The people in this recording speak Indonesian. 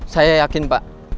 saya yakin pak